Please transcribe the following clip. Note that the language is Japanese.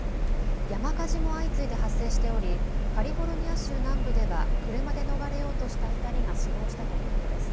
山火事も相次いで発生しておりカリフォルニア州南部では車で逃れようとした２人が死亡したということです。